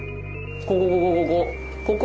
ここここここ。